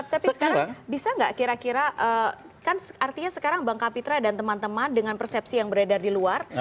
tapi sekarang bisa nggak kira kira kan artinya sekarang bang kapitra dan teman teman dengan persepsi yang beredar di luar